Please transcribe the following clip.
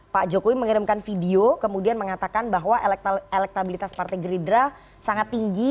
pak jokowi mengirimkan video kemudian mengatakan bahwa elektabilitas partai gerindra sangat tinggi